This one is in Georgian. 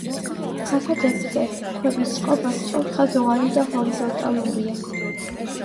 ფასადებზე ქვების წყობა სწორხაზოვანი და ჰორიზონტალურია.